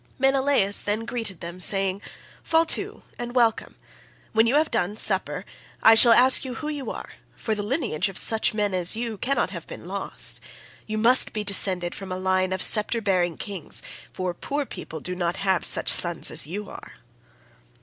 Menelaus then greeted them saying, "Fall to, and welcome; when you have done supper I shall ask who you are, for the lineage of such men as you cannot have been lost. You must be descended from a line of sceptre bearing kings, for poor people do not have such sons as you are."